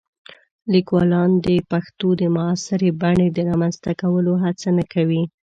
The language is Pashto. لیکوالان د پښتو د معاصرې بڼې د رامنځته کولو هڅه نه کوي.